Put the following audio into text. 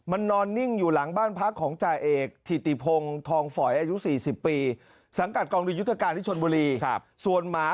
อันนี้ก็ตายแล้วอ่ะ